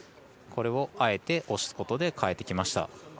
これをあえて押すことで変えてきました。